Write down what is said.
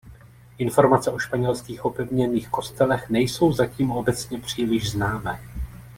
Informace o španělských opevněných kostelech nejsou zatím obecně příliš známé.